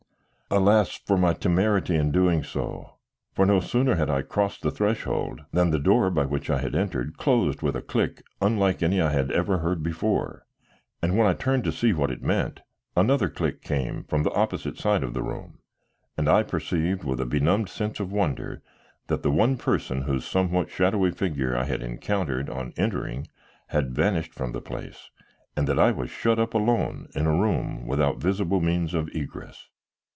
Alas! for my temerity in doing so; for no sooner had I crossed the threshold than the door by which I had entered closed with a click unlike any I had ever heard before, and when I turned to see what it meant, another click came from the opposite side of the room, and I perceived, with a benumbed sense of wonder, that the one person whose somewhat shadowy figure I had encountered on entering had vanished from the place, and that I was shut up alone in a room without visible means of egress.